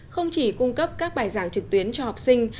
không chỉ cung cấp các bài giảng trực tuyến cho học sinh